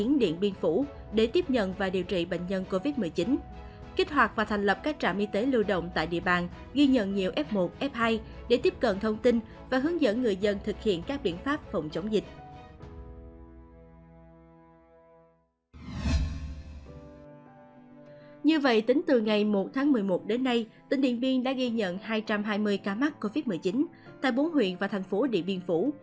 như vậy tính từ ngày một tháng một mươi một đến nay tỉnh điện biên đã ghi nhận hai trăm hai mươi ca mắc covid một mươi chín tại bốn huyện và thành phố điện biên phủ